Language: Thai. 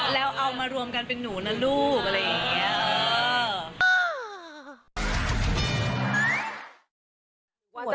แล้วเอามารวมกันเป็นหนูนะลูกอะไรอย่างนี้